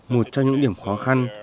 một trong những điểm khó khăn